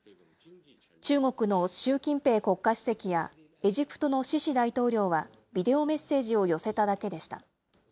中国の習近平国家主席や、エジプトのシシ大統領は、ビデオメッセージを寄せただけでした。